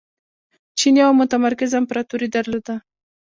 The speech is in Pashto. چین یوه متمرکزه امپراتوري درلوده.